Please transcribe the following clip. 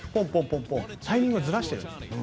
タイミングをずらしてるんです。